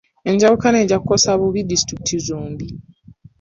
Enjawukana ejja kukosa bubi disitulikiti zombi.